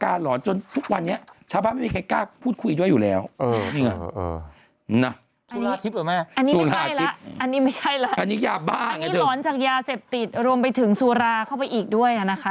อันนี้ร้อนจากยาเสพติดรวมไปถึงสุราเข้าไปอีกด้วยนะค่ะ